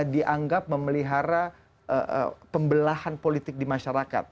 dianggap memelihara pembelahan politik di masyarakat